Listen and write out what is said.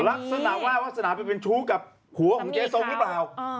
วาสนาว่าวาสนาเป็นชู้กับหัวของเจ๊สงค์หรือเปล่า